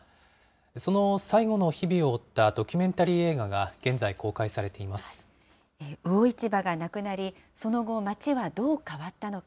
その最後の日々を追ったドキュメンタリー映画が、現在公開されて魚市場がなくなり、その後、町はどう変わったのか。